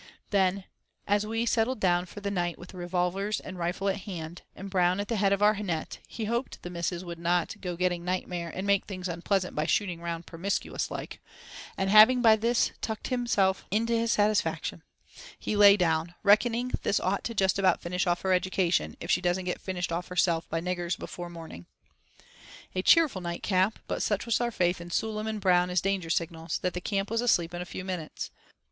Then, as we settled down for the night with revolvers and rifle at hand, and Brown at the head of our net, he "hoped" the missus would not "go getting nightmare, and make things unpleasant by shooting round promiscuous like," and having by this tucked himself in to his satisfaction, he lay down, "reckoning this ought to just about finish off her education, if she doesn't get finished off herself by niggers before morning." A cheerful nightcap; but such was our faith in Sool'em and Brown as danger signals, that the camp was asleep in a few minutes.